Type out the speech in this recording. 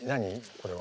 これは。